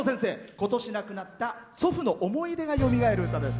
今年、亡くなった祖父の思い出がよみがえる歌です。